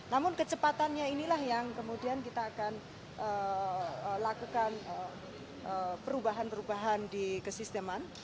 namun kecepatannya inilah yang kemudian kita akan lakukan perubahan perubahan di kesisteman